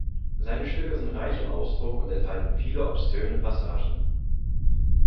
Seine Stücke sind reich im Ausdruck und enthalten viele obszöne Passagen.